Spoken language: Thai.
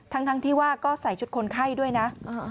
ทั้งที่ว่าก็ใส่ชุดคนไข้ด้วยนะ